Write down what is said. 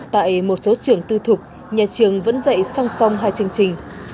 tại một số trường tư thục nhà trường vẫn dạy song song hai chương trình